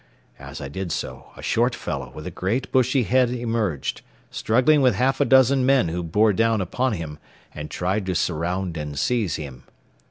As I did so, a short fellow with a great bushy head emerged, struggling with half a dozen men who bore down upon him and tried to surround and seize him.